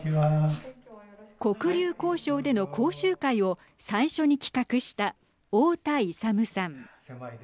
黒竜江省での講習会を最初に企画した太田勇さん。